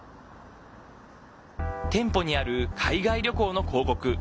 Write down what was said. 店舗にある海外旅行の広告。